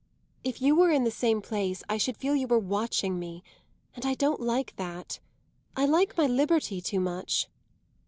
If you were in the same place I should feel you were watching me, and I don't like that I like my liberty too much.